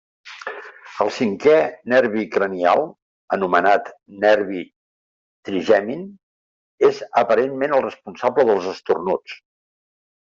El cinquè nervi cranial, anomenat nervi trigemin, és aparentment el responsable dels esternuts.